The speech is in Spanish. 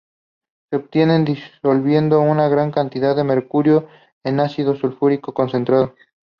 Se obtiene disolviendo una gran cantidad de mercurio en ácido sulfúrico concentrado.